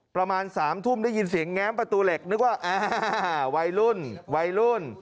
ประมาณ๓ทุ่มได้ยินเสียงแง้มประตูเหล็กนึกว่าอ่าวัยรุ่นวัยรุ่น